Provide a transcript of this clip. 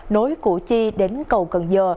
nối củ chi đến cầu cần giờ